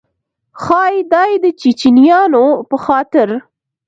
ښایي دا یې د چیچنیایانو په خاطر.